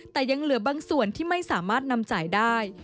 แต่ยังเหลือบางส่วนที่ไม่สามารถนำจ่ายได้